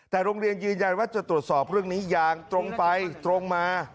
แต่โรงเรียนยืนยันว่าจะตรวจสอบเรื่องนี้อย่างตรงไปตรงมา